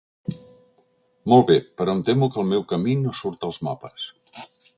Molt bé, però em temo que el meu camí no surt als mapes.